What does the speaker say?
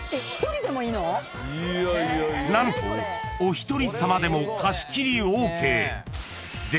［何とお一人さまでも貸し切りＯＫ］